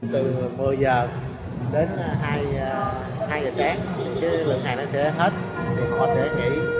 từ một mươi h đến hai h sáng lượng hàng sẽ hết họ sẽ nghỉ